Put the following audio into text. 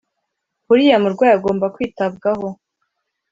uriya murwayi agomba kwitabwaho